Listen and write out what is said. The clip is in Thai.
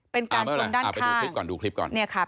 เป็นการชนด้านข้าง